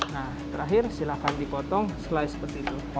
nah terakhir silakan dipotong slice seperti itu